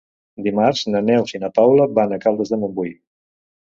Dimarts na Neus i na Paula van a Caldes de Montbui.